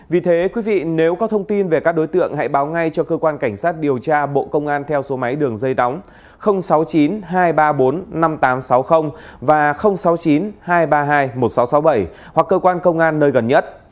vì thế quý vị nếu có thông tin về các đối tượng hãy báo ngay cho cơ quan cảnh sát điều tra bộ công an theo số máy đường dây nóng sáu mươi chín hai trăm ba mươi bốn năm nghìn tám trăm sáu mươi và sáu mươi chín hai trăm ba mươi hai một nghìn sáu trăm sáu mươi bảy hoặc cơ quan công an nơi gần nhất